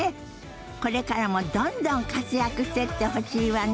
これからもどんどん活躍してってほしいわね。